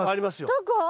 どこ？